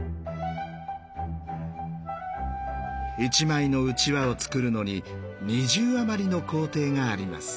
１枚のうちわを作るのに２０余りの工程があります。